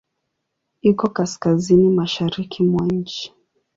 Iko Kaskazini mashariki mwa nchi.